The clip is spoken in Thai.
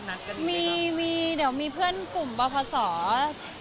มีมีมีเดี๋ยวมีเพื่อนกลุ่มวัตกสร